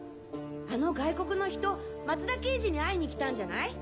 あの外国の人松田刑事に会いにきたんじゃない？